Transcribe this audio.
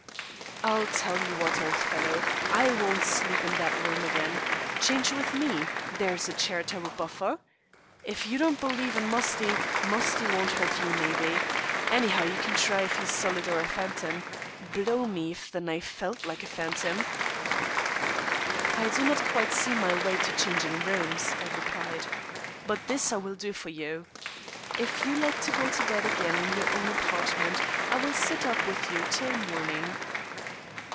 "I'll tell you what, old fellow, I won't sleep in that room again. Change with me, there's a charitable buffer. If you don't believe in Musty, Musty won't hurt you, maybe anyhow you can try if he's solid or a phantom. Blow me if the knife felt like a phantom." "I do not quite see my way to changing rooms," I replied; "but this I will do for you. If you like to go to bed again in your own apartment, I will sit up with you till morning."